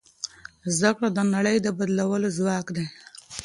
زده کړه د نړۍ د بدلولو ځواک دی.